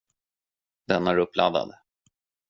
Den är uppladdad.